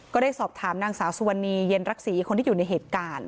ก็ได้สอบถามนางสาวสุวรรณีเย็นรักษีคนที่อยู่ในเหตุการณ์